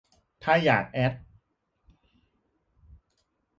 ถ้าอยากแอด